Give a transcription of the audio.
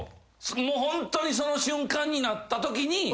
もうホントにその瞬間になったときに。